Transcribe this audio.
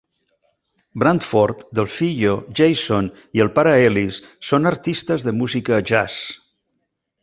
Branford, Delfeayo, Jason i el pare Ellis són artistes de música jazz.